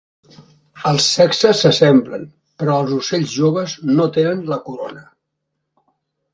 Els sexes s'assemblen, però els ocells joves no tenen la corona.